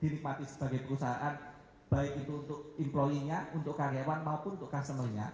dinikmati sebagai perusahaan baik itu untuk improy nya untuk karyawan maupun untuk customer nya